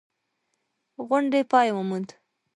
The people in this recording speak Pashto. غونډې پای وموند.